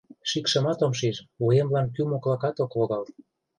Шикшымат ом шиж, вуемлан кӱ моклакат ок логал.